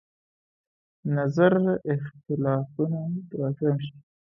نظر اختلافونه راکم شي.